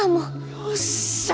よっしゃ！